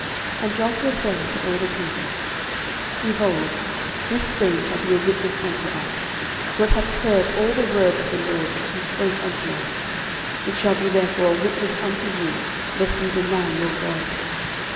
06:024:027 And Joshua said unto all the people, Behold, this stone shall be a witness unto us; for it hath heard all the words of the LORD which he spake unto us: it shall be therefore a witness unto you, lest ye deny your God.